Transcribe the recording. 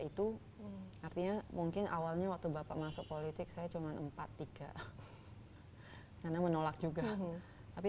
itu artinya mungkin awalnya waktu bapak masuk politik saya cuman empat tiga karena menolak juga tapi